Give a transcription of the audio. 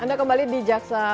anda kembali di jaksa